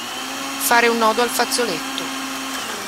Fare un nodo al fazzoletto.